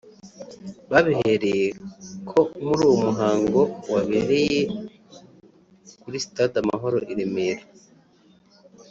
babihereye ko muri uwo muhango wabereye kuri Stade amahoro i Remera